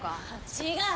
違う！